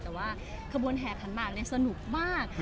แต่ว่ากระบวนแห่ขันมากเนี่ยสนุกมาก